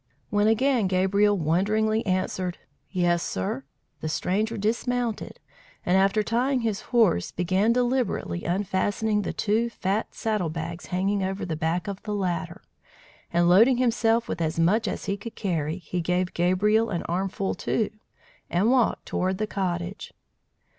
When again Gabriel wonderingly answered, "Yes, sir," the stranger dismounted, and, after tying his horse, began deliberately unfastening the two fat saddle bags hanging over the back of the latter; and loading himself with as much as he could carry, he gave Gabriel an armful, too, and walked toward the cottage.